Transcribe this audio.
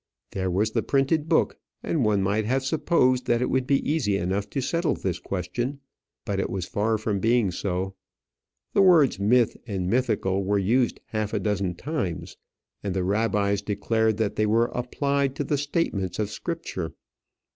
There was the printed book, and one might have supposed that it would be easy enough to settle this question. But it was far from being so. The words myth and mythical were used half a dozen times, and the rabbis declared that they were applied to the statements of Scripture.